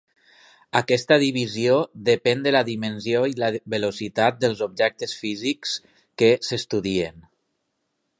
Aquesta divisió depèn de la dimensió i la velocitat dels objectes físics que s'estudien.